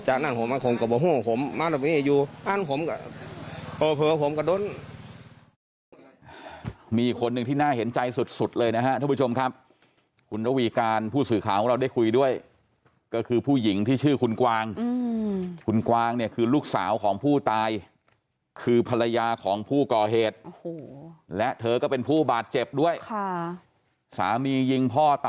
จากนั้นผมมาข่งกับห้องผมมาตรงนี้อยู่นั้นผมกะเผลอผมกะด้น